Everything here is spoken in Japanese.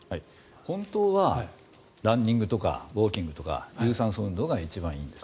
本当はランニングとかウォーキングとか有酸素運動が一番いいんです。